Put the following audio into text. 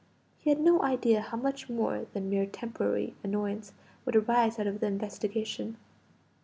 He had no idea how much more than mere temporary annoyance would arise out of the investigation.